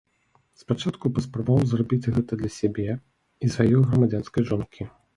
Спачатку паспрабаваў зрабіць гэта для сябе і сваёй грамадзянскай жонкі.